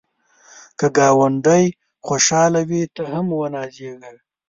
که ګاونډی خوشحال وي، ته هم ونازېږه